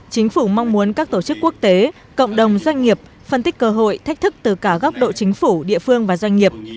chính phủ mong muốn các tổ chức quốc tế cộng đồng doanh nghiệp phân tích cơ hội thách thức từ cả góc độ chính phủ địa phương và doanh nghiệp